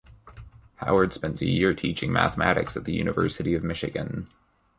Howard spent a year teaching mathematics at the University of Michigan.